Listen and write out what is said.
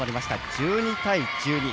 １２対１２。